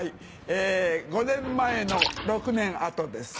５年前の６年後です。